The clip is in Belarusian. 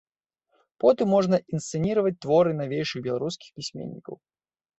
Потым можна інсцэніраваць творы навейшых беларускіх пісьменнікаў.